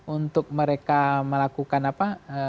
untuk mereka melakukan apa